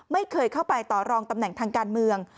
ไม่เคยเข้าไปต่อรองตำแหน่งทางการเมือง